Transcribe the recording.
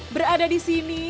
berada di sini